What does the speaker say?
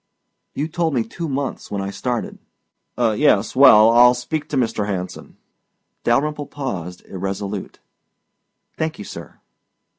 "You told me two months when I started." "Yes. Well, I'll speak to Mr. Hanson." Dalyrimple paused irresolute. "Thank you, sir."